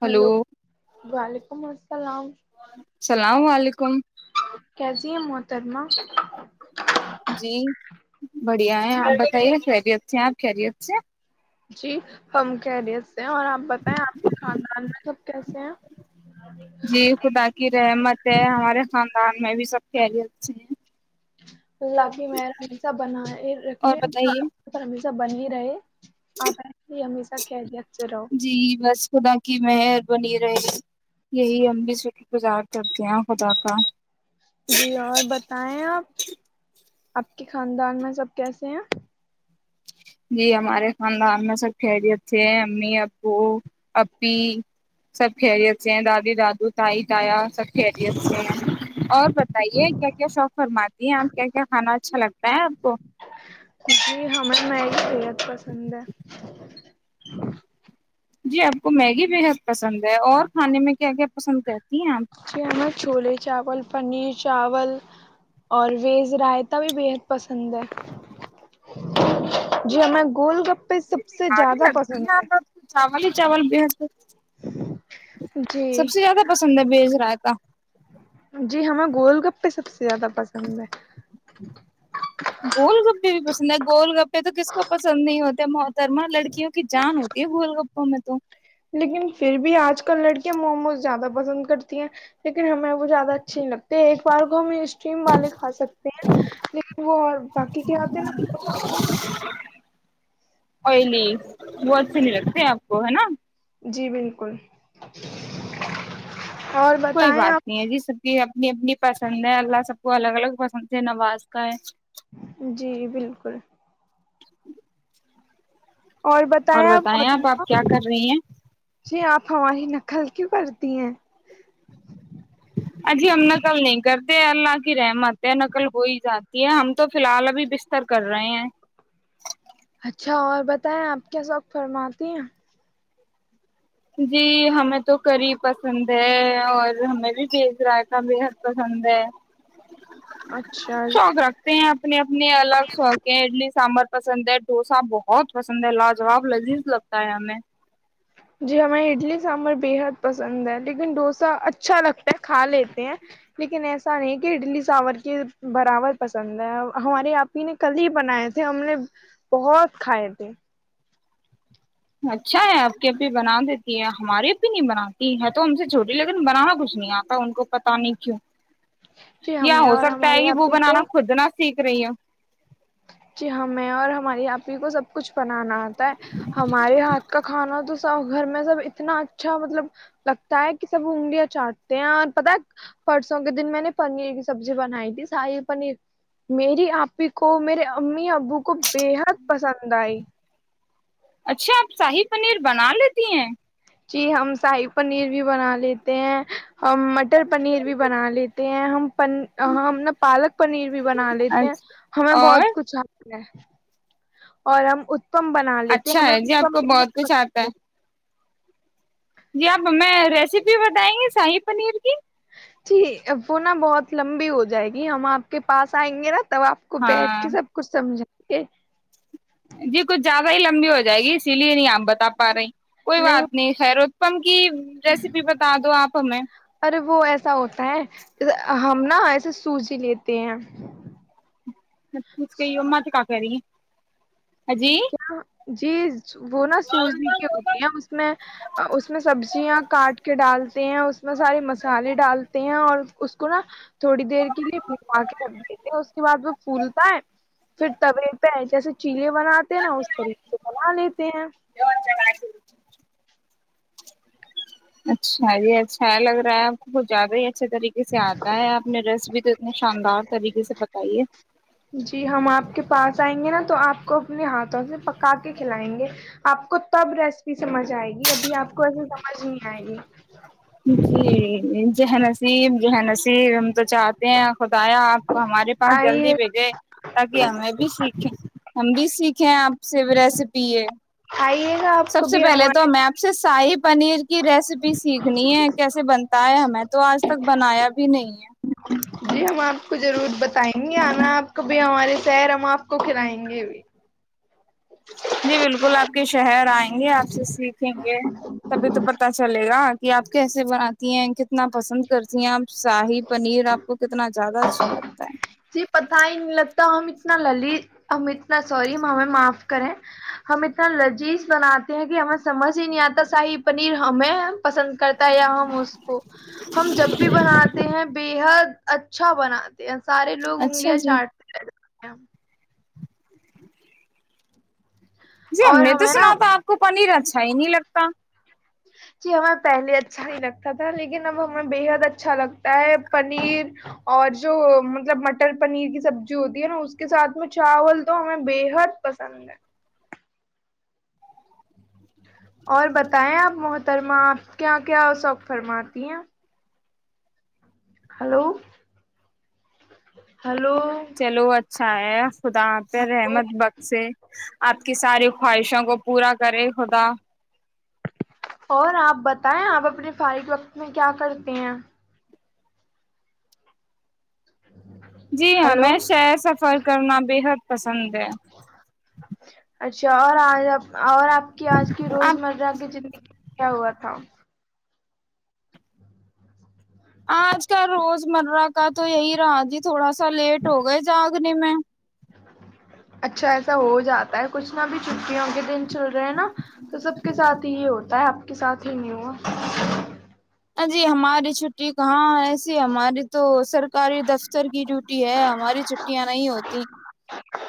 Hello [unintelligible] وعلیکم السلام اللام علیکم ترما جی بڑھیا ہے آپ بتائیے خیریت سے ہیں آپ خیریت سے جی ہم کہہ رہے اور آپ بتائیں آپ کے خاندان میں جب کیسے ہیںپ جی خدا کی رحمت ہے ہمارے خاندان میں بھی سب کہری اے ہیں اللہ کی میں ہمیشہ بن اور رکھے بتائیے سب بن ہی رہے آپ ای ہمیشہ کہ دت سے رہو جی بس خدا کی مہر بنی رہے یہی ہم بھی شکر گزار کرتے ہیں خدا کا جی اور بتائیں آپ آپ کے خاندان میں سب کیسے ہیں جی ہمارے خاندان میں سب خھییریت تھے ہیں امی ابو پپی سب خیریت تھے ہیں دادی دادو تائی تایا سب خھیریت تھے اور بتائیے کیا کیا شوق فرماتی ہیں آپ کیا کیا کھانا اچھا لگتا ہے آپ کو ک ہمیں مائ بحت پسند ہے [unintelligible] جی آپ کو میگی بےحد پسند ہے اور کھانے میں کیا کیا پسند کرتی ہیں آپ جی ہمیں چوولے چاول پنیر چاول اور ویج رائتا بھی بےحد پسند ہے جی ہمیں گول گپ پہ سب جی سے بھاری زیادہ لگتی پسند آپ ہے کو چاول ہی چاول بھی حتے جی سب سے زیادہ پسند ہے بیج رائے [unintelligible] جی ہمیں گولڈ کپہ سب سے زیادہ پسند ہے گول گپے بھی پسند ہے گول گپے تو کسی کو پسند نہیں ہوتے محترما لڑکی کیک جان ہوتی ہے بول ہو میں تو لیکن پھر بھی آج کل لڑکیاں موموز زیادہ پسند کرتی ہیں لیکن ہمیں وہ زیادہ اچھیے نہیں لگتی ایک بار کو ہم اسم والے کھا سکتے ہیں لیکن وہ اور باقی کیا آتے ہیں نا کھا سک آئلی وہ اچھے نہیں لگتے آپ کو ہے نا سکتے۔ جی بالکل اور بتائیں آپ انی اپنی پسند ہے اللہ سب کو الگ الگ پسند سے نواز کا ہے جی بالکل اور بتائیں آپ آپ کیا کر رہی ہیں جی آپ ہماری نقل کیوں کرتی ہیں ا جی ہم نقل نہیں کرتے اللہ کی رحمت ہے نقل ہو ہی جاتی ہے ہم تو فی الحال ابھی بستر کر رہے ہیں اچھا اور بتائیں آپ کیا س وقت فرماتی ہیں جی ہمیں تو کری پسند ہے اور ہمیں بھی بیج رائ کا بےحد پسند ہے اچھا شوق رکھتے ہیں اپنے اپنے الگ شوق ہے ای لیسٹ سانبر پسند ہے ڈوسا بہت پسند ہے لاجواب لذیذ لگتا ہے ہمیں جی ہمیں اڈلی سانورر بےحد پسند ہے لیکن ڈوسا اچھا لگتا ہے کھا لیتے ہیں لیکن ایسا نہیں کہ اڈلی سانور کے برابر پسند ہے ہمارے آپ ہی نے کل ہی بنائے تھے ہم نے بہت کھائے تھے اچھا ہے آپ کے یہ بھی بنا دیتی ہے ہماریے بھی نہیں بناتی ہے تو ہم سے چھوٹی لیکن بنانا کچھ نہیں آتا ان کو پتا نہیں کیوں جی یا ہمیں ہو اور سکتا ہے ہمارے کہ وہ آپی بنانا کو کھودنا سیکھ رہی ہ جی ہمیں اور ہماری آپ ہی کو سب کچھ بنانا آتا ہے ہمارے ہاتھ کا کھانا تو گھر میں سب اتنا اچھا مطلب لگتا ہے کہ سب انگلیاں چاٹتے ہیں اور پت پرسوں کے دن میں نے پنیر کی سبزی بنائی تھی ساری پنیر میری آپ ہی کو میرے امی ابو کو بےحد پسند آئی اچھا آپ شاہی پنیر بنا لیتی ہیں جی ہم شاہی پنیر بھی بنا لیتے ہیں ہم مٹر پنیر بھی بنا لیتے ہیں ہم ہم نے پالک پنیر بھی بنا لیتے ہیں ہمیں اچھا اور بہت کچھ اور ہم تو ہم بنا لیتے اچھا ہے جی آپ کو بہت کچھ آتا ہے ہمیںت جی آپ میں ریسیپی بتائیں گے شاہی پنیر کی جی وہ نا بہت لمبی ہو جائے گی ہم آپ کے پاس آئیں گے نا تب آپ کو بیٹھ ہاں کے سب کچھ سمجھا کہ جی کچھ زیادہ ہی لمبی ہو جائے گی اسی لیے نہیں آپ بتا پا رہے کوئی بات نہیں خیرتپم کی ریسیپی بتا دو آپ ہمیں ارے وہ ایسا ہوتا ہے ہم نا ایسے سوجی لیتے ہیں مس کہئی مات کاکہاری کیا جی وہ نا سوزی کے ہوتے ہیں اس میں اس میں سبزیاں کاٹ کے ڈالتے ہیں اس میں سارے مسالے ڈالتے ہیں اور اس کو نا تھوڑی دیر کے لیے بوا کے رکھ دیتے ہیں اس کے بعد وہ پھولتا ہے پھر تے پہ ہے جیسے چیلے بناتے ہیں نا اس طریقے سے بنا لیتے ہیں اچھا ہے اچھ بہ لگ رہا ہے آ کو کچت زیادہ ہے اچھے طریقے سے آتا ہے آپ نے رس بھی تو اتنے شاندار طریقے سے بتائی ہوں جی ہم آپ کے پاس آئیں گے نا تو آپ کو اپنے ہاتھوں سے پکا کے کھلائیں گے آپ کو تب ریسیپی سمجھ آئے گی ابھی آپ کو ایسیے سمجھ نہیں آئے گی جی جہنصیب زہنا ج ہم تو چاہتے ہیں خدایا آپ کو ہمارے پاس جلدی آئیے بھیجے تاکہ ہمیں بھی سیکھیں ہم بھی سیکھیں آپ سے ریسیپی ہے آئیے گا آپ سب کو سے بھی پہلے ہمارے تو میں آپ سے صاحب پنیر کی ریسیپی سیکھ کیسے بنتا ہے ہمیں تو آج تک بنایا بھی نہیں ہے جی ہم آپ کو ضرور بتائیں گے آنا آپ ک بھی ہمارے شر ہم آپ کو کھلائیں گے بھی جی بالکل آپ کے شہر آئے گے آپ سے سیکھیں گے تبھی تو پت چلے گا یہ آپ کیسے بناتی ہیں کتنا پسند کرتی ہیں آپ شاہی پنیر آپ کو کتنا زیادہ اچھا لگتا ہے جی پتہ ہی نہیں لگتا تو ہم اتنا للیذ ہم اتنا سوری ہمیں معاف کریں ہم اتنا لذیذ بناتے ہیں کہ ہمیں سمجھ ہی نہیں آتا شاہی پنیر ہمیں سن کرتا ہے یہاں ہم اس کو ہم جب بھی بناتے ہیں بے حد اچھ اچھا بنات ہیں سارے لوگ اچھا انگلیاں جی چاٹتے ہیں [unintelligible] جی ہم اور نے تو ہمیں نا سنا تھا آپ کو پنیر اچ کہا ہے نہیں لگتا جی ہمیں پہلے اچھا نہیں لگتا تھا لیکن اب ہمیں بے حد اچھا لگتا ہے پنیر اور جو مطلب مٹر پنیر کی سب جو ہوتی ہے نا اس کے ساتھ میں چاول دو ہمیں بے حد پسند ہے اور بتائیں آپ محترمہ آپ کیا کیا سوق فرماتی ہیں ہلو ہیلو چلو اچھا ہے آف خدا پ رحمد بخشے آپ کی ساری خواہشوں کو پورا کرے خدا اور آپ بتائیں آپ اپنے فارغ وقت میں کیا کرتے ہیں جی ہاں ہلو میں شہ سفر کرنا بے حد پسند ہے اچھا اور آپ اور آپ کی آج کی اب روزمرہ کی زندگی میں کیا ہوا تھا آج کل روزمرہ کا تو یہی رہا جی تھوڑا سا لیٹ ہو گئے جاگنے میں اچھا ایسا ہو جاتا ہے کچھ نہ بھی چ چٹیوں کے دن چل رہے ہیں نا تو سب کے سھ ہی ہوتے بت ہے آپ کے ساتھ ہی نہیں ہوا جی ہماری چھٹی کہاں ایسی ہماری تو سر سرکاری دفتر کی ڈیوٹی ہے ہماری چھٹیاں نہیں ہوتی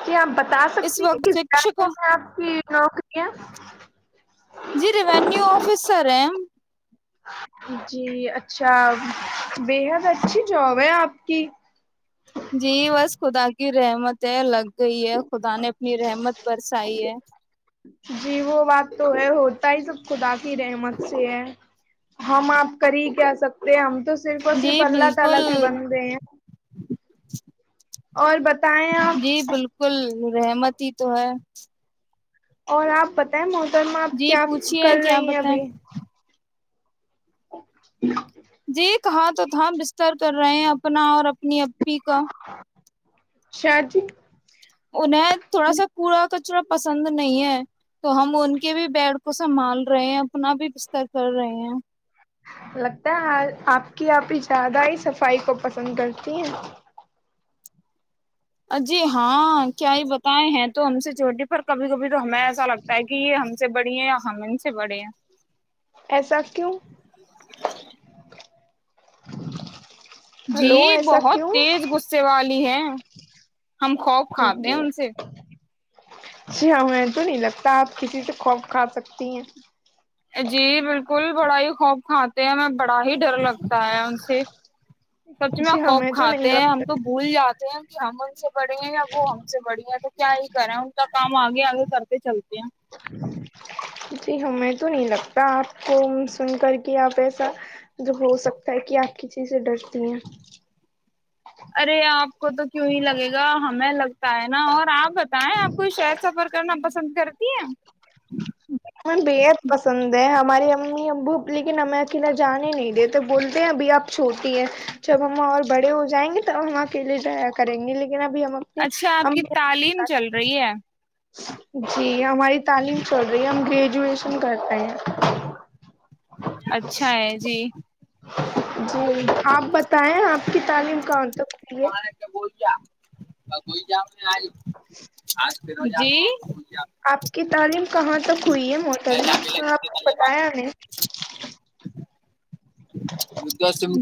کیا ہم پتا بتا اس سکتی ہیں وقت کس شکشک بارے میں آپ کی ن نوکری ہے جی ریوینیو آفیسر ہیں ہم جی اچھا بےحد اچھی جاب ہے آپ کی جی بس خودا گ رہے مت الگ گئی ہے خدا نے اپنی رحمت برسائی ہے جی وہ بات تو ہے ہوتا ہی سب خدا کی رحمت سے ہے ہم آپ کر ہی کہ سکتے ہم تو ہم صرف جی اللہ بالکل کے بندے ہیں۔ [unintelligible] اور بت جی بالکل پ رحمتی ہی تو ہے اور آپ پتیں موسم پرم آپ جی کیا پوچھیے کر کیا رہی ہیں بتائیں ابھی جی کہاں تو تھا بستر کر رہے ہیں اپنا اور اپنی اپی کا شاہ جی انہیں تھوڑا سا پورا کچرا پسند نہیں ہے تو ہم ان کے بھی بیڈ کو سنبھال رہے ہیں اپنا بھی بستر کر رہے ہیں لگتا ہے آپ کی آپ بھی زیادہ ہی صفائی کو پسند کرتی ہیں جی ہاں کیا یہ بتائے ہیں تو ہم سے چھوٹی پر کبھی کبھی تو ہمیں ایسا لگتا ہے کہ یہ ہم سے بڑی ہیں یا ہم ان سے بڑے ہیں ایسا کیوں جی ہلو ایسا بہت کیوں تیز غصے والے ہے ہم خوف کھاتے ہیں جی ان سے جی ہاں میں تو نہیں لگتا آپ کسی سے خوف کھا سکتی ہیں جی بالکل بڑا ہی خوف کھاتے ہیں ہم بڑا ہی ڈر لگتا تا ان سے سب چی میں جی خوف ہمیں تو کھاتے نہیں ہیں ہم تو لگتا بھول جاتے ہیں کہ ہم ان سے بڑے ہیں یا وہ ہم سے بڑے ہیں تو کیا یہ کریں ان کا کام آگے آگے کرتے چلتے ہیں جی ہمیں تو نہیں لگتا آپ کو سن کر کے آپ ایسا جو ہو سکتا ہے کہ آپ کسیز سے ڈرتی ہیں ارے آپ کو تو کیوں ہی لگے گا ہمیں لگتا ہے نا اور آپ بتائیں آپ کو شہر سفر کرنا پسند کرتی ہے ہم بےحد پسند ہے ہماری امی ابو لیکن ہمیں اکیلا جانے نہیں د تو بولتے ہیں ابھی آپ چھوٹی ہیں جب ہما اور بڑے ہو جائیں گے تو ہم اکیلے ج کریں گے لیکن ابھی ہم اپنے اچھا آپ کی امی تعلیم چل ابو رہی ہے جی ہماری تعلیم ا ہم گریجویشن کرتے ہیں اچھا ہے جی جی آپ بتائیں آپ کی تعلیم کون وہ پ کیا بول [inaudible] وہئی جؤ میںج جی آپ کی تعلیم کہاں تک [unintelligible] ہوئی ہے موٹر میں آپ کو بتایا ہم نے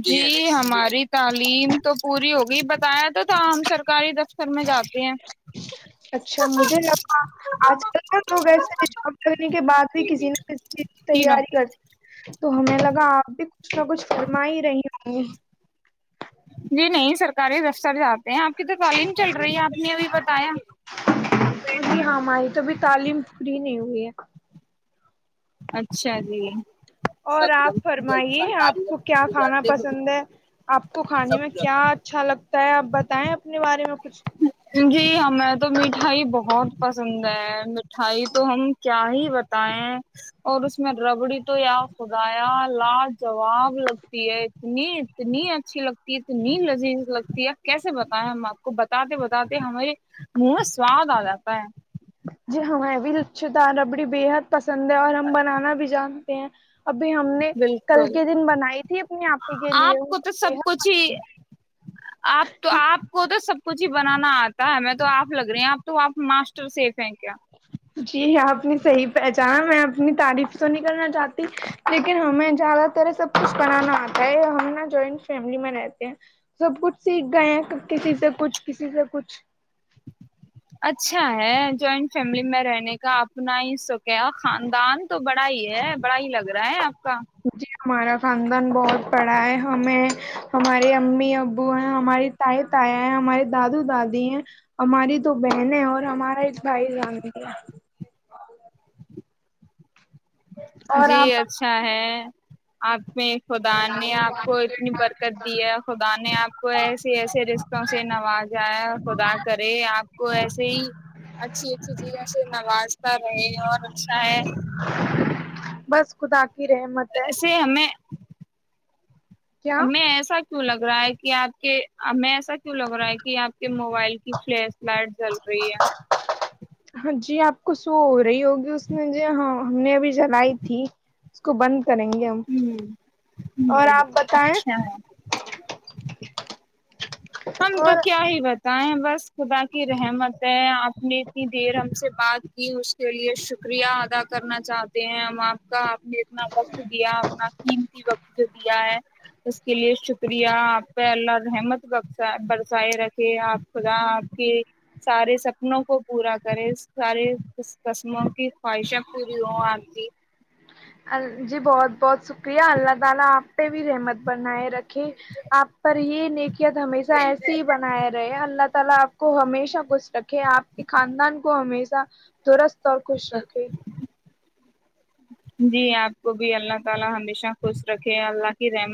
جی ہماری تعلیم تو پوری ہوگئی بتایا تو ہم سرکاری دتر اچھا مجھے لگا آج کل تو لوگ ایسے ہیں جاب کرنے کے بعد بھی کسی نہ کسی تینوں تیاری کرتے تو ہمیں لگا آپ بھی کچھ نہ کچھ فرم ہی رہی ہوں گی جی نہیں سرکاری دفتر جا آپ کی تو تعلیم چل رہی ہے آد نے ابھی بتایا جی ہاں ہماری تو بھی تعلیم [unintelligible] اچھا جی اور آپ فرمائیے آپ کو کیا کھانا پسند ہے آپ کو کھانے میں کیا اچھا لگتا ہے آپ بتائیں اپنے بارے میں کچھ جی ہمیں تو مٹھائی بہت پسند ہے مٹھائی تو ہم کیا ہی بتائےیں اور اس میں ربڑی تو یا خدایا لاجاب لگتی ہے اتنی اتنی اچھی لگتی ہے اتنی لذیذ لگتی ہے کیسے بتائیں ہم آپ کو ب بتاتے بتاتے ہمارے منہ میں سواد آ جاتا ہے جی ہاں ا بھیچ د ربڑی بے حد پسند ہے اور ہم بنانا بھی جانیں پ ہیں ابھی ہم نے کل بالکل کے دن بنائی تھی اپنے آپ ہی کے لیے آپ کو تو سب کچھ ہی آپ تو آپ کو تو سب کچھ ہی بنانا آتا ہے ہم تو آپ لگ رہی ہیں آپ تو آپ ماسٹر سیف ہیں کیا جی ہ اپنی صحیح پہچان میں اپنی تعریف تو نہیں کرلنا چاہتی لیکن ہمیں زیادہ تر سب کچھ بنانا آتا ہے ہم نا جوائنٹ فیملی میں رہتے ہیں سب کچھ سیکھ گئے ہیں کسی سے کچھ کسی سے کچھ اچھا ہے جوائنٹ فیملی میں رہنے کا اپنا ہی سب کیا خاندان تو بڑا ہی ہے بڑا ہی لگ رہا ہے آپ کا جی ہمارا خاندان بہت بڑا ہے ہمیں ہمارے امی ابو ہیں ہماری تائے تایا ہیں ہمارے دادو دادی ہیں ہماری تو بہن ہے اور ہمارا ایک بھائی جان ہے اور جی آپ اچھا ہے آپ [unintelligible] میں خدا نے آپ کو اتنی برکت دی ہے خدا نے آپ کو ایسے ایسے رشتوں سے نوازایا خدا کرے آپ کو ایسے ہی اچھی اچھی چیزوں سے نوازتا رہے اور اچھا ہے بس خدا [unintelligible] ہے ایسے ہمیں کیا میں ایسا کیوں لگ رہا ہے کہ آپ کے ہمیں ایسا کیوں لگ رہا ہے کہ آپ کے موبائل کی فلیش لائٹ جل رہی ہے ہاں جی آپ کو سو ہو رہی ہوگی اس میں ہاں ہم نے ابھی جلائی تھی اس کو بند کریں گے ہم ہوں اور آپ بتائیں اچھا [unintelligible] ہم تو اور کیا ہی بتائے بس خدا کی رحمت ہے آپ نے اتنی دیر ہم سے بات کی اس کے لیے شکریہ ادا کرنا چاہتے ہیں ہم آپ کاپ نے اتنا وقت دیا اپنا قیمتی وقت جو دیا ہے اس کے لیے شکریہ آپ پہ اللہ رحمت ب برسائے رکھے آپ خدا آپ کے سارے سپنوں کو پورا کرے سارے قسموں کی خواہشیں پوری ہوں آپ کی جی بہت بہت شکریہ اللہ تعالی اپ پہ بھی رحمت بنائے رکھیں اپ پر یہ نیکیاں تو ہمیشہ ایسے ہی بنائے رہے اللہ تعالی اپ کو ہمیشہ خوش رکھے اپ کے خاندان کو ہمیں دورست طڑ کو رکے جی اپ کو بھی اللہ تعالی ہمیشہ خوش رکھے اللہ کی رحمت